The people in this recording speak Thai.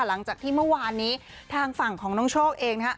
หลังจากที่เมื่อวานนี้ทางฝั่งของน้องโชคเองนะครับ